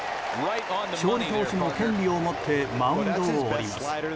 勝利投手の権利を持ってマウンドを降ります。